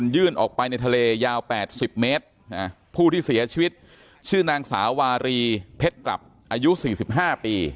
ยาว๘๐เมตรผู้ที่เสียชีวิตชื่อนางสาวารีเพชรกลับอายุ๔๕ปี